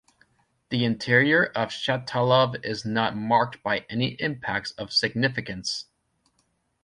The interior of Shatalov is not marked by any impacts of significance.